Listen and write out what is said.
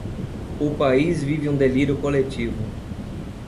O país vive um delírio coletivo